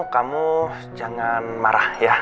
kamu jangan marah ya